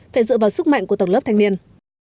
phải dựa vào sức mạnh của tầng lớp thanh niên